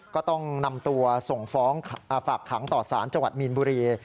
ก็ต้องนำตัวส่งฟ้องฝากขังต่อสารจังหวัดมีนบุรี